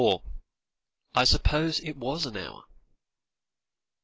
"I SUPPOSE IT WAS AN HOUR."